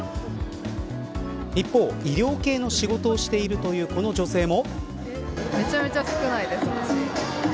一方、医療系の仕事をしているというこの女性も。